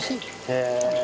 へえ。